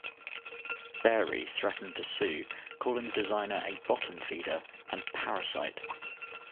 Fairey threatened to sue, calling the designer a "bottom feeder" and "parasite".